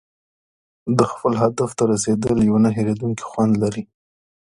د خپل هدف ته رسېدل یو نه هېریدونکی خوند لري.